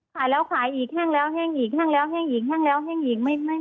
ขายแล้วขายอีกแห้งแล้วแห้งอีกแห้งแล้วแห้งอีกแห้งแล้วแห้งอีก